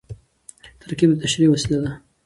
ترکیب د تشریح وسیله ده.